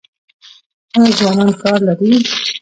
آیا ځوانان کار لري؟